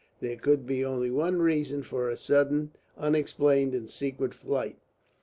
There could be only one reason for her sudden unexplained and secret flight.